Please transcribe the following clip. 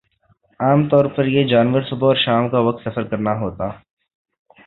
عام طور پر یِہ جانور صبح اور شام کا وقت سفر کرنا ہونا